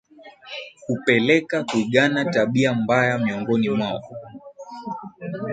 Hupelekea Kuigana tabia mbaya miongoni mwao